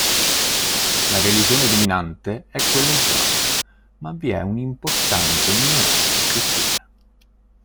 La religione dominante è quella islamica, ma vi è un'importante minoranza cristiana.